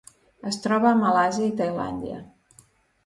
Es troba a Malàisia i Tailàndia.